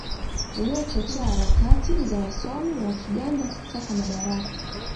uliochochea harakati za wasomi wa Kiganda kutaka madaraka